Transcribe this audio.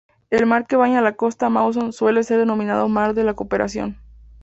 El mar que baña la costa Mawson suele ser denominado mar de la Cooperación.